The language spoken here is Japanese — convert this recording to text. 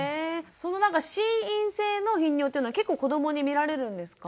そのなんか心因性の頻尿というのは結構子どもに見られるんですか？